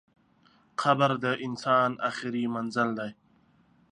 قبر د انسان اخري منزل دئ.